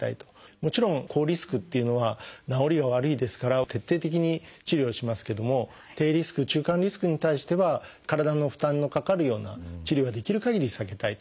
もちろん高リスクというのは治りが悪いですから徹底的に治療しますけども低リスク中間リスクに対しては体の負担のかかるような治療はできるかぎり避けたいと。